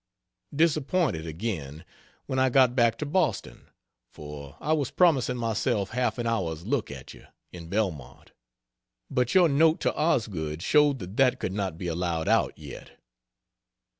Disappointed, again, when I got back to Boston; for I was promising myself half an hour's look at you, in Belmont; but your note to Osgood showed that that could not be allowed out yet.